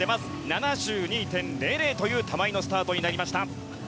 ７２．００という玉井のスタートになりました。